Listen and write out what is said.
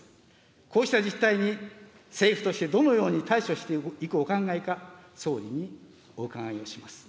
こうした実態に政府としてどのように対処していくお考えか、総理にお伺いをします。